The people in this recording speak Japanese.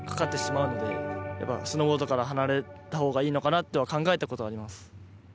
スノーボードから離れたほうがいいのかなとは考えたことあります。